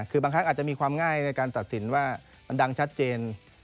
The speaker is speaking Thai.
คือบางครั้งอาจจะมีความง่ายในการตัดสินว่ามันดังชัดเจน